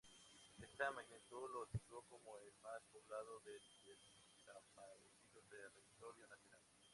Esta magnitud lo situó como el más poblado del desaparecido territorio nacional.